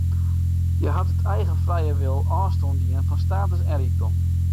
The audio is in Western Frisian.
Hja hat út eigen frije wil ôfstân dien fan status en rykdom.